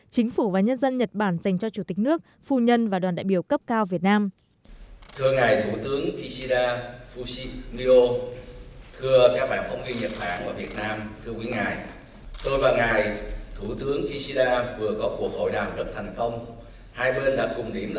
chính phủ và nhân dân nhật bản dành cho chủ tịch nước phu nhân và đoàn đại biểu cấp cao việt nam